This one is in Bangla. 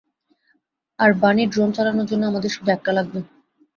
আর বানি ড্রোন চালানোর জন্য আমাদের শুধু একটা লাগবে।